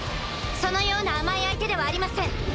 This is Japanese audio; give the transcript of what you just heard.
そのような甘い相手ではありません！